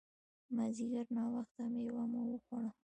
مازیګر ناوخته مېوه مو وخوړه.